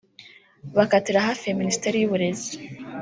bakatira hafi ya Minisiteri y’Uburezi